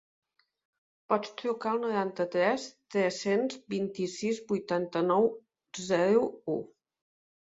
Pots trucar al noranta-tres tres-cents vint-i-sis vuitanta-nou zero u.